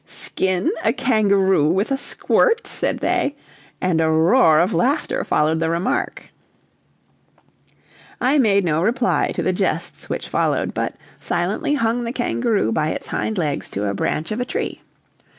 "Skin a kangaroo with a squirt?" said they, and a roar of laughter followed the remark. I made no reply to the jests which followed, but silently hung the kangaroo by its hind legs to the branch of a tree.